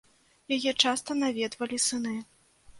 Яе часта наведвалі сыны.